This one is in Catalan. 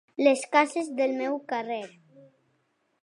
Les cases del meu carrer.